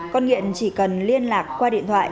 con nghiện chỉ cần liên lạc qua điện thoại